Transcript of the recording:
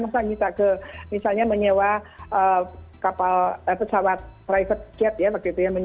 misalnya menyewa pesawat private jet ya